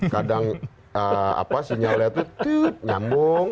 kadang apa sinyalnya tuh nyambung